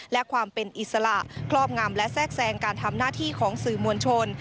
และความเป็นอิสระครอบงำและแทรกแทรงการทำหน้าที่ของสื่อมวลชน